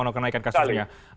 pengen kenaikan kasusnya